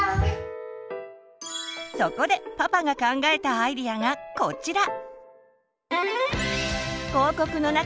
そこでパパが考えたアイデアがこちら！